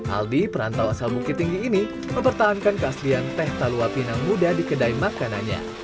aldi perantau asal bukit tinggi ini mempertahankan keaslian teh talua pinang muda di kedai makanannya